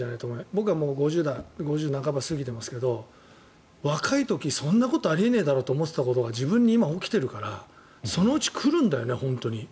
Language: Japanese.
僕はもう５０代半ば過ぎてますけど若い時、そんなことあり得ないだろと思ってたことが自分に今起きているからそのうち来るんだよね、本当に。